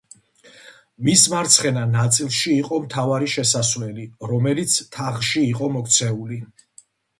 მის მარცხენა ნაწილში იყო მთავარი შესასვლელი, რომელიც თაღში იყო მოქცეული.